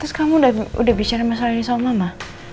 terus kamu udah bicara masalah ini sama mama